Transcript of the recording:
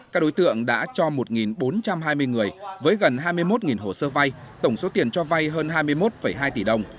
các đối tượng đã cho một bốn trăm hai mươi người với gần hai mươi một hồ sơ vay tổng số tiền cho vay hơn hai mươi một hai tỷ đồng